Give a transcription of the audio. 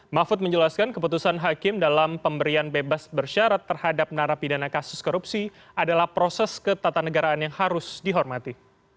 mahfud menjelaskan keputusan hakim dalam pemberian bebas bersyarat terhadap narapidana kasus korupsi adalah proses ketatanegaraan yang harus dihormati